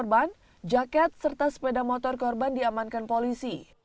korban jaket serta sepeda motor korban diamankan polisi